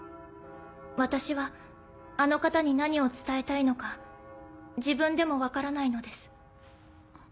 私はあの方に何を伝えたいのか自分でも分からないのです。